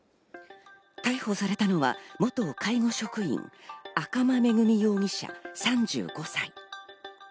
逮捕されたのは元介護職員、赤間恵美容疑者、３５歳。